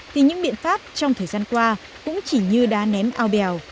thì những biện pháp trong thời gian qua cũng chỉ như đá ném ao bèo